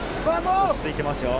落ち着いてますよ。